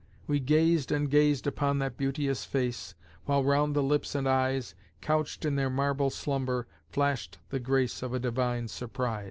We gazed and gazed upon that beauteous face, While round the lips and eyes, Couched in their marble slumber, flashed the grace Of a divine surprise.